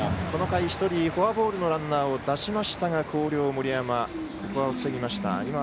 この回、１人フォアボールのランナーを出しましたが広陵、森山ここは抑えました。